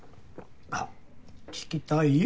あ聞きたい？